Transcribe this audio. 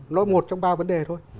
nó một trong ba vấn đề thôi